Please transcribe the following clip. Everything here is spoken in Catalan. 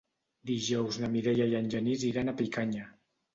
Dijous na Mireia i en Genís iran a Picanya.